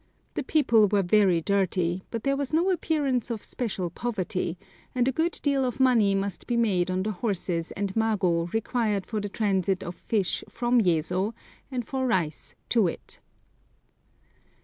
The people were very dirty, but there was no appearance of special poverty, and a good deal of money must be made on the horses and mago required for the transit of fish from Yezo, and for rice to it.